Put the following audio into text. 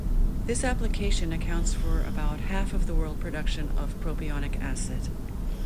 This application accounts for about half of the world production of propionic acid.